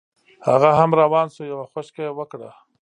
هغه هم روان شو یوه خوشکه یې وکړه.